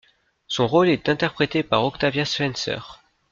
Son rôle est interprété par Octavia Spencer.